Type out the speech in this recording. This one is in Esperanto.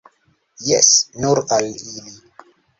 Jes, nur al ili!